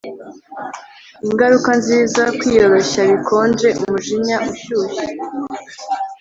Ingaruka nziza kwiyoroshya bikonje umujinya ushushe